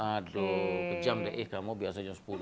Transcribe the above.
aduh kejam deh ih kamu biasa jam sepuluh juga